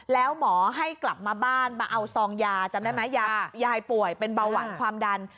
แล้วหมอให้กลับมาบ้านมาเอาซองยาจำได้ไหมยายป่วยเป็นเบาหวานความดัน